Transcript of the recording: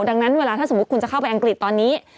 ดังนั้นเวลาที่จะเข้าไปอังกฤษตอนนี้